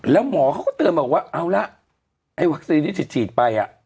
แล้วหมอเขาก็เติมออกว่าเอาล่ะไอ้วัคซีนที่ติดติดไปอ่ะ